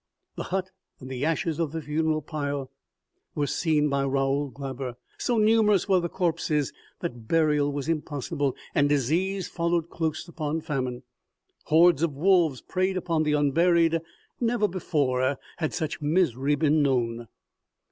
The hut and the ashes of the funeral pile were seen by Raoul Glaber. So numerous were the corpses that burial was impossible, and disease followed close upon famine. Hordes of wolves preyed upon the unburied. Never before had such misery been known.